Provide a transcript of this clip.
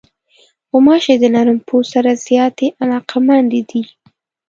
غوماشې د نرم پوست سره زیاتې علاقمندې دي.